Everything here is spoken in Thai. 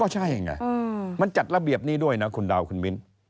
ใช่ไงมันจัดระเบียบนี้ด้วยนะคุณดาวคุณมิ้น